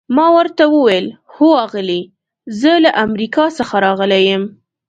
ما ورته وویل: هو آغلې، زه له امریکا څخه راغلی یم.